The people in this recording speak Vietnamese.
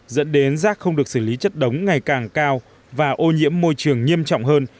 dẫn đến rác không được xử lý chất đống ngày càng cao và ô nhiễm môi trường nghiêm trọng hơn